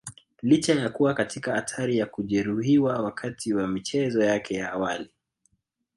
Licha ya kuwa katika hatari ya kujeruhiwa wakati wa michezo yake ya awali